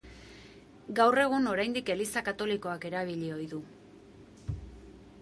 Gaur egun oraindik Eliza Katolikoak erabili ohi du.